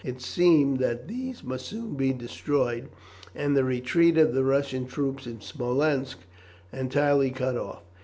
It seemed that these must soon be destroyed, and the retreat of the Russian troops in Smolensk entirely cut off.